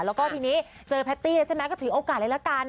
แล้วก็ตอนนี้เจอแพทตี้ละ้ก็ถือโอกาสเลยละกัน